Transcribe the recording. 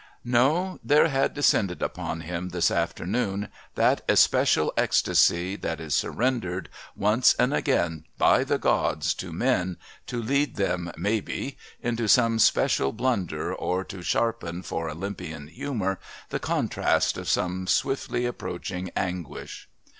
No, there had descended upon him this afternoon that especial ecstasy that is surrendered once and again by the gods to men to lead them, maybe, into some especial blunder or to sharpen, for Olympian humour, the contrast of some swiftly approaching anguish.